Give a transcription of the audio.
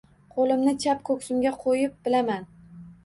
Qo’limni chap ko’ksimga qo’yib bilaman